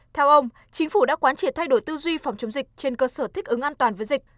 theo ông chính phủ đã quán triệt thay đổi tư duy phòng chống dịch trên cơ sở thích ứng an toàn với dịch